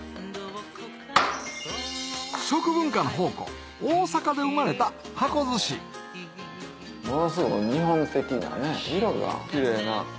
食文化の宝庫大阪で生まれた箱寿司ものすごい日本的なね色がキレイな。